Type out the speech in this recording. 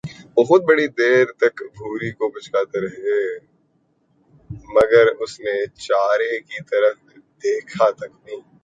وہ خود بڑی دیر تک بھوری کو پچکارتے رہے، مگر اس نے چارے کی طرف دیکھا تک نہیں۔